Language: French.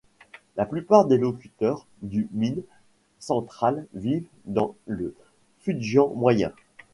La plupart des locuteurs du min central vivent dans le Fujian moyen.